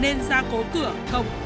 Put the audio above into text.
nên ra cố cửa cổng